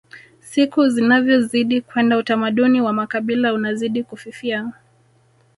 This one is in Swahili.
siku zinavyozidi kwenda utamaduni wa makabila unazidi kufifia